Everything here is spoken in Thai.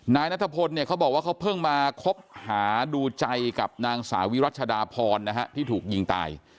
นายนัทพลเนี่ยเขาบอกว่าเขาเพิ่งมาคบหาดูใจกับนางสาวิรัชดาพรนะฮะที่ถูกยิงตาย